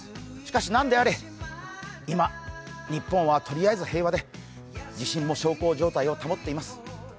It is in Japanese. しかし何であれ、今、日本はとりあえず平和で地震も小康状態を保っています。